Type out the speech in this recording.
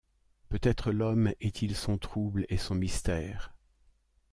Peut-être l’homme est-il son trouble et son mystère?